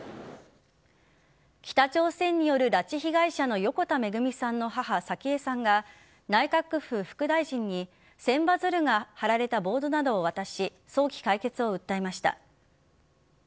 北朝鮮による拉致被害者の横田めぐみさんの母早紀江さんが内閣府副大臣に千羽鶴が貼られたボードなどを渡し早期解決を訴えました。